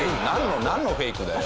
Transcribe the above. なんのフェイクだよ。